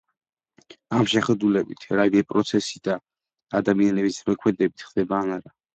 ამ შეხედულებით, რაიმე პროცესი ან ადამიანის ზემოქმედებით ხდება ან არა.